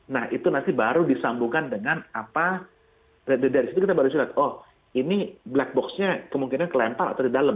nah itu nanti baru disambungkan dengan apa dari situ kita baru sudah oh ini black boxnya kemungkinan kelempar atau di dalam